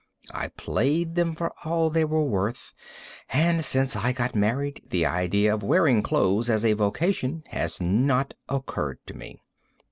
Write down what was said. I played them for all they were worth, and since I got married the idea of wearing clothes as a vocation has not occurred to me.